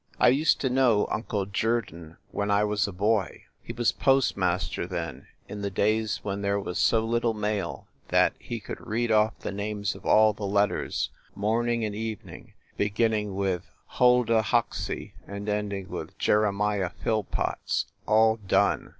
I used to know Uncle Jerdon when I was a boy. He was postmaster then, in the days when there was so little mail that he could read off the names of all the letters, morning and evening, beginning with "Huldah Hoxey" and ending with "Jeremiah Phillpots, all done!"